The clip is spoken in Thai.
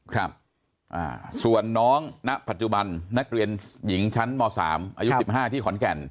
ครับส่วนน้องณปัจจุบันนักเรียนหญิงชั้นม๓อายุ๑๕ที่ขอนแก่น